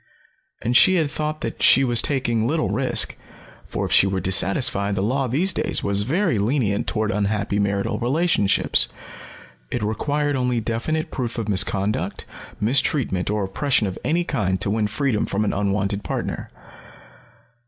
And she had thought that she was taking little risk, for if she were dissatisfied, the law these days was very lenient toward unhappy marital relationships. It required only definite proof of misconduct, mistreatment, or oppression of any kind to win freedom from an unwanted partner.